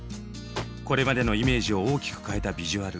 これまでのイメージを大きく変えたビジュアル。